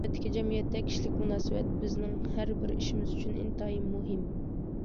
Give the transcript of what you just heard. نۆۋەتتىكى جەمئىيەتتە كىشىلىك مۇناسىۋەت بىزنىڭ ھەر بىر ئىشىمىز ئۈچۈن ئىنتايىن مۇھىم.